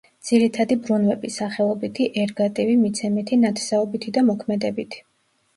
ძირითადი ბრუნვები: სახელობითი, ერგატივი, მიცემითი, ნათესაობითი და მოქმედებითი.